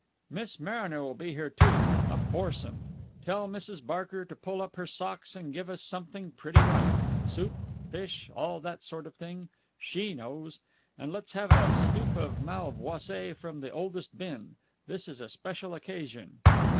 "Miss Mariner will be here, too. A foursome. Tell Mrs. Barker to pull up her socks and give us something pretty ripe. Soup, fish, all that sort of thing. She knows. And let's have a stoup of malvoisie from the oldest bin. This is a special occasion!"